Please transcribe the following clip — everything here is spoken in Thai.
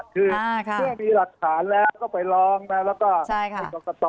คือเมื่อมีหลักฐานแล้วก็ไปร้องนะแล้วก็เป็นกรกต